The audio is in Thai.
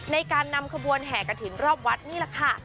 ในการนำขบวนแห่กระถิ่นรอบวัดนี่แหละค่ะ